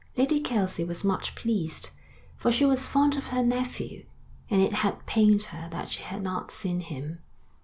Lady Kelsey was much pleased, for she was fond of her nephew, and it had pained her that she had not seen him.